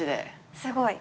すごい。